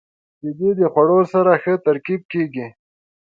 • شیدې د خوړو سره ښه ترکیب کیږي.